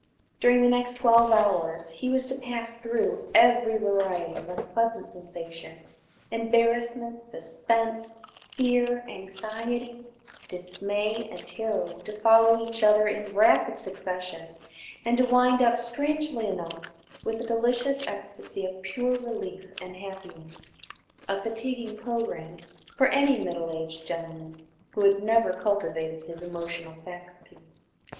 During the next twelve hours he was to pass through every variety of unpleasant sensation. Embarrassment, suspense, fear, anxiety, dismay, and terror were to follow each other in rapid succession, and to wind up, strangely enough, with a delicious ecstasy of pure relief and happiness a fatiguing programme for any middle aged gentleman who had never cultivated his emotional faculties.